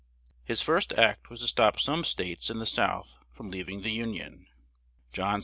His first act was to stop some states in the South from leav ing the Un ion. John C.